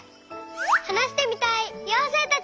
はなしてみたいようせいたち！